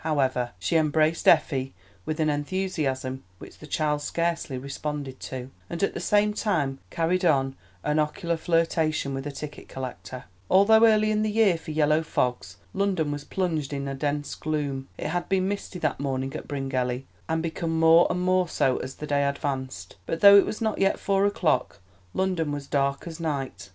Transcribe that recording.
However, she embraced Effie with an enthusiasm which the child scarcely responded to, and at the same time carried on an ocular flirtation with a ticket collector. Although early in the year for yellow fogs, London was plunged in a dense gloom. It had been misty that morning at Bryngelly, and become more and more so as the day advanced; but, though it was not yet four o'clock, London was dark as night.